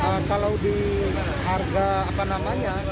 jadi kalau di harga apa namanya